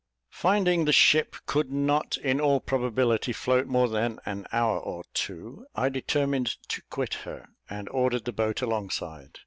Finding the ship could not in all probability float more than an hour or two, I determined to quit her, and ordered the boat alongside.